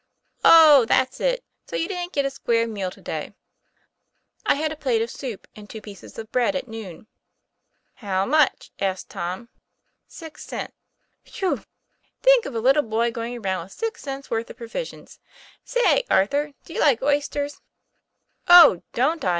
"Oh, that's it. So you didn't get a square meal to day ?"'' I had a plate of soup and two pieces of bread at noon." " How much ?' asked Tom. "Six cents." "Whew! think of a little boy going around with six cents' worth of provisions say, Arthur, do you like oysters ?'" Oh, don't I ?